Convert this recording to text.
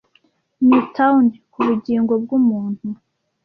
newton kubugingo bwumuntu